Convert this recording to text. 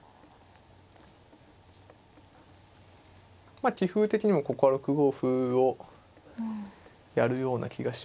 まあ棋風的にもここは６五歩をやるような気がしますね。